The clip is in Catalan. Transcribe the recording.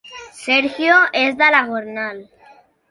Sergio és de la Gornal